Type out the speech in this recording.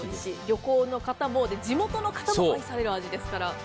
旅行の方も、地元の方も愛される味ですから。